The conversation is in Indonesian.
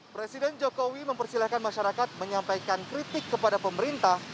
presiden jokowi mempersilahkan masyarakat menyampaikan kritik kepada pemerintah